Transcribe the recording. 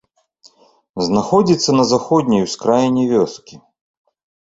Знаходзіцца на заходняй ускраіне вёскі.